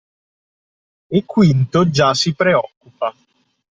E Quinto già si preoccupa…